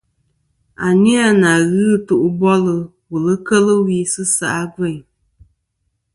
A ni a na ghɨ ɨtu bolɨ wùl kel wi sɨ se ' a gveyn.